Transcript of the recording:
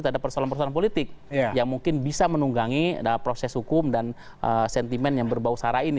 terhadap persoalan persoalan politik yang mungkin bisa menunggangi proses hukum dan sentimen yang berbau sara ini